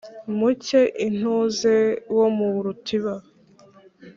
muke itunze wo mu rutiba.